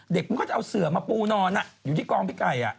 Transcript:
มันก็จะเอาเสือมาปูนอนอยู่ที่กองพี่ไก่